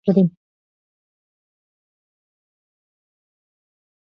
ازادي راډیو د اټومي انرژي په اړه سیمه ییزې پروژې تشریح کړې.